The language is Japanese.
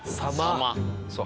そう。